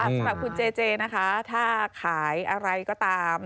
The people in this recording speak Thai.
สำหรับคุณเจเจนะคะถ้าขายอะไรก็ตาม